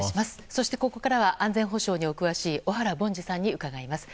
そしてここからは安全保障にお詳しい小原凡司さんに伺います。